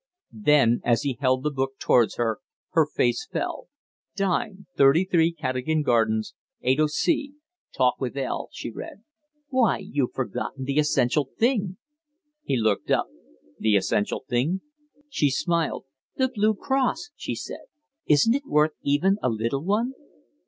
Then, as he held the book towards her, her face fell. "Dine 33 Cadogan Gardens, 8 o'c. Talk with L.," she read. "Why, you've forgotten the essential thing!" He looked up. "The essential thing?" She smiled. "The blue cross," she said. "Isn't it worth even a little one?"